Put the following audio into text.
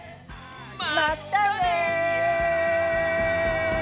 まったね！